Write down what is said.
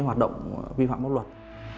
hoạt động vi phạm mốc luật